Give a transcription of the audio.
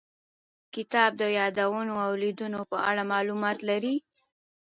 کتاب د یادونو او لیدنو په اړه معلومات لري.